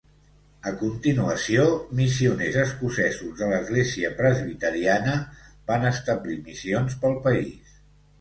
A continuació, missioners escocesos de l'Església presbiteriana van establir missions pel país.